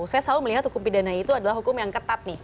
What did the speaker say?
saya selalu melihat hukum pidana itu adalah hukum yang ketat nih